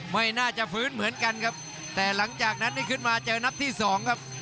ไม่น่าจะฟื้นเหมือนกันครับแต่หลังจากนั้นนี่ขึ้นมาเจอนัดที่สองครับ